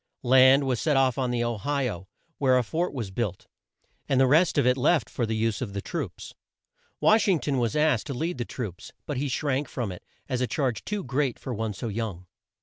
Land was set off on the O hi o where a fort was built, and the rest of it left for the use of the troops. Wash ing ton was asked to lead the troops, but he shrank from it as a charge too great for one so young.